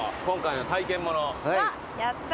やった。